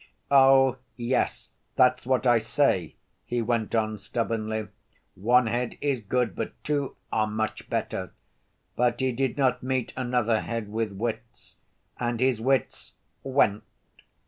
"Oh, yes, that's what I say," he went on stubbornly. "One head is good, but two are much better, but he did not meet another head with wits, and his wits went.